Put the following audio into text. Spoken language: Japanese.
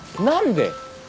何で？